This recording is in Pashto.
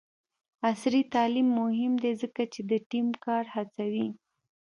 عصري تعلیم مهم دی ځکه چې د ټیم کار هڅوي.